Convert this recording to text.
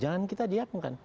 jangan kita diakung kan